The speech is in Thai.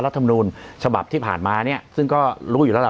รัฐมนูลฉบับที่ผ่านมาเนี่ยซึ่งก็รู้อยู่แล้วล่ะ